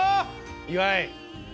岩井！